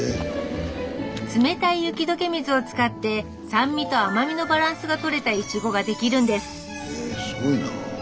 冷たい雪解け水を使って酸味と甘みのバランスが取れたイチゴができるんですへすごいな。